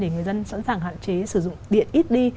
người dân sẵn sàng hạn chế sử dụng điện ít đi